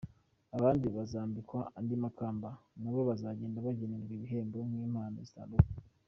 Abandi bazambikwa andi makamba, nabo bazagenda bagenerwa ibihembo n’impano zitandukanye.